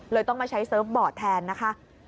ต้องมาใช้เซิร์ฟบอร์ดแทนนะคะ